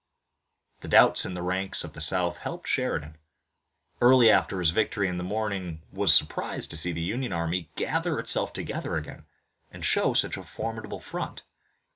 The doubts in the ranks of the South helped Sheridan. Early after his victory in the morning was surprised to see the Union army gather itself together again and show such a formidable front.